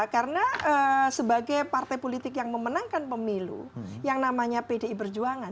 karena sebagai partai politik yang memenangkan pemilu yang namanya pdi berjuangan